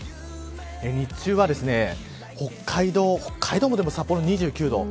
日中は北海道の札幌も２９度です。